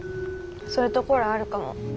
そういうところあるかも。